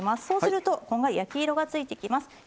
そうするとこんがり焼き色がついてきます。